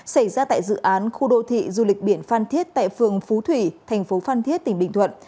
xảy ra tại dự án khu đô thị du lịch biển phan thiết tại phường phú thủy thành phố phan thiết tỉnh bình thuận